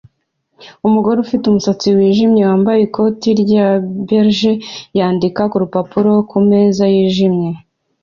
Umugore ufite umusatsi wijimye wambaye ikoti rya beige yandika kurupapuro kumeza yijimye